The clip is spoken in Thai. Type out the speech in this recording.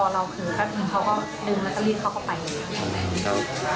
แล้วทำยังไงต่อครับ